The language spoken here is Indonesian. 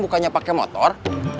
bukannya pake motor